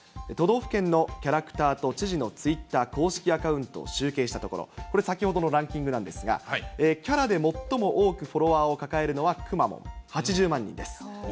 都道府県のキャラクターと知事のツイッター、公式アカウントを集計したところ、これ、先ほどのランキングなんですが、キャラで最も多くフォロワーを抱えるのはくまモン、８０万人です。